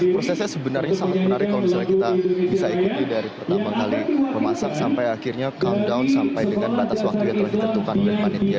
prosesnya sebenarnya sangat menarik kalau misalnya kita bisa ikuti dari pertama kali memasak sampai akhirnya countdown sampai dengan batas waktu yang telah ditentukan oleh panitia